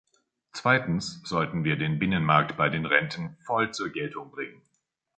Zweitens sollten wir den Binnenmarkt bei den Renten voll zur Geltung bringen.